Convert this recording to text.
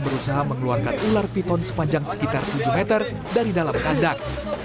berusaha mengeluarkan ular piton sepanjang sekitar tujuh meter dari dalam kandang